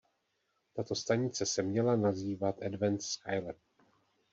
Tato stanice se měla nazývat Advanced Skylab.